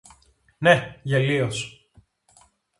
ναι, γελοίος!